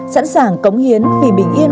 sẵn sàng cống hiến vì bình yên